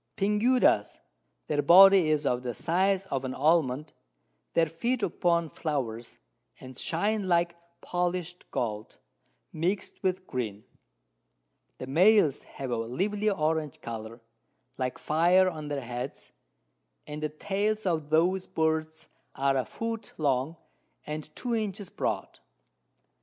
Pinguedas, their Body is of the size of an Almond; they feed upon Flowers, and shine like polish'd Gold, mix'd with green; the Males have a lively Orange Colour, like Fire on their Heads, and the Tails of those Birds are a Foot long, and 2 Inches broad.